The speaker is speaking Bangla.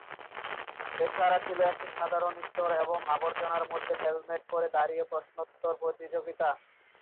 এছাড়া ছিল একটি সাধারণ স্টোর এবং আবর্জনার মধ্যে হেলমেট পরে দাড়িয়ে প্রশ্নোত্তর প্রতিযোগিতা।